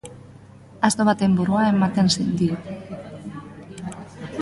Asto baten burua ematen dio.